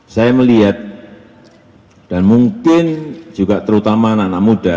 saya melihat dan mungkin juga terutama anak anak muda